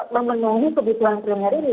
memenuhi kebutuhan krim ini